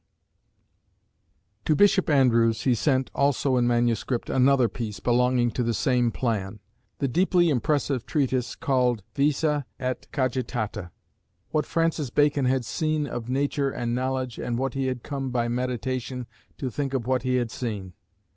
To Bishop Andrewes he sent, also in manuscript, another piece, belonging to the same plan the deeply impressive treatise called Visa et Cogitata what Francis Bacon had seen of nature and knowledge, and what he had come by meditation to think of what he had seen.